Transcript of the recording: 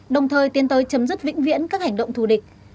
đồng thời tiến tới chấm dứt vĩnh viễn các hành động thù địch